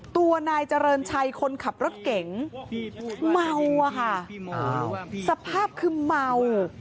ตัวนายเจริญชัยคนขับรถเก๋งเมาอะค่ะสภาพคือเมา